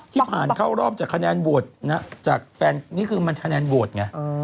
ผ่านเข้ารอบจากคะแนนโหวตจากแฟนนี่คือมันคะแนนโหวตไง